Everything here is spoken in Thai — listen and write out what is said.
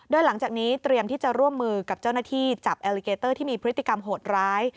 โดยหลังจากนี้เตรียมที่จะร่วมมือกับเจ้าหน้าที่จับแอลลิเกเตอร์ที่มีพฤติกรรมโหดร้าย